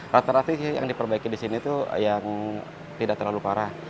rata rata sih yang diperbaiki di sini tuh yang tidak terlalu parah